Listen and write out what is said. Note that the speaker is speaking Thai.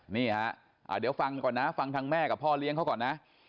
นี่ฮะเดี๋ยวฟังก่อนนะฟังทางแม่กับพ่อเลี้ยงเขาก่อนนะ